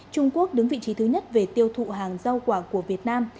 trung quốc đứng vị trí thứ nhất về tiêu thụ hàng rau quả của việt nam